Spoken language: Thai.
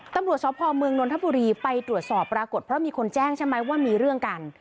ตำรวจสพเมืองนนทบุรีไปตรวจสอบปรากฏเพราะมีคนแจ้งใช่ไหมว่ามีเรื่องกัน